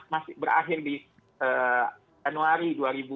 masih berakhir di januari dua ribu dua puluh